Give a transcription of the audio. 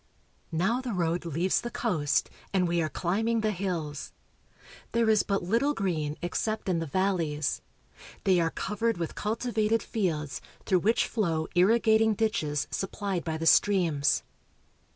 Now the road leaves the coast, and we are climbing the hills. There is but little green except in the valleys. They are covered with cultivated fields, through which flow irrigating ditches supplied by the streams.